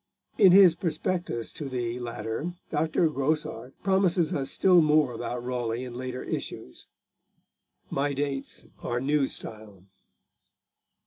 In his prospectus to the latter Dr. Grosart promises us still more about Raleigh in later issues. My dates are new style.